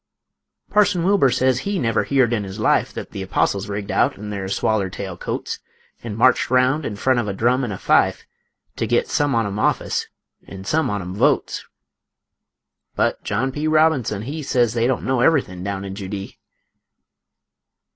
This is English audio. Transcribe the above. Parson Wilbur sez he never heerd in his life Thet th' Apostles rigged out in their swaller tail coats, An' marched round in front of a drum an' a fife, To git some on 'em office, an' some on 'em votes; But John P. Robinson he Sez they didn't know everythin' down in Judee.